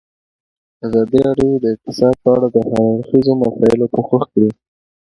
ازادي راډیو د اقتصاد په اړه د هر اړخیزو مسایلو پوښښ کړی.